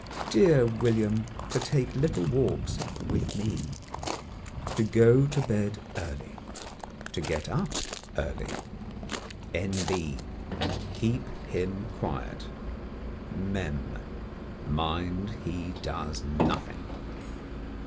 Dear William to take little walks (with me). To go to bed early. To get up early. N.B. Keep him quiet. Mem. Mind he does Nothing."